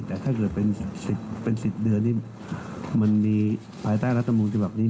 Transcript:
แต่ถ้าเกิดเป็น๑๐เดือนนี่มันมีภายใต้รัฐบาลรักษามุมธิบัตรนี้